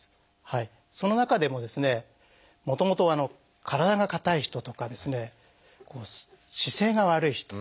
その中でもですねもともと体が硬い人とか姿勢が悪い人。